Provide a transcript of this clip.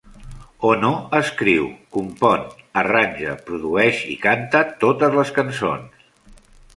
Ono escriu, compon, arranja, produeix i canta totes les cançons.